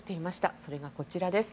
それがこちらです。